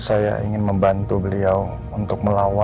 saya sangat senang melihat mereka